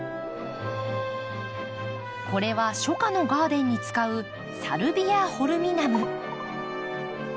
これは初夏のガーデンに使うサルビアホルミナム。